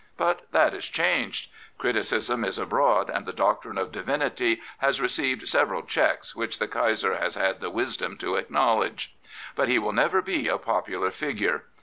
But that is changed. Criticism is abroad and the^octrine of divinity has received several checks which the Kaiser has had the wisdom to acknowledge. But he will never be a popular figure.